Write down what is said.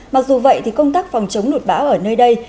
mặc dù vậy thì công tác phòng chống lụt bão ở nơi đây